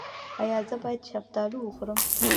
ایا زه باید شفتالو وخورم؟